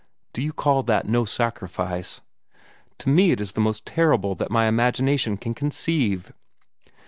Do you call that no sacrifice? To me it is the most terrible that my imagination can conceive."